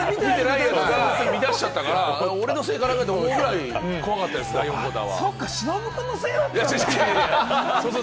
見出しちゃったから、俺のせいかな？って、思うぐらい怖かったです、第４クオーター。